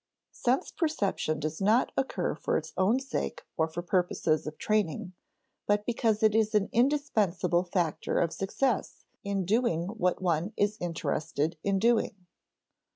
Sense perception does not occur for its own sake or for purposes of training, but because it is an indispensable factor of success in doing what one is interested in doing.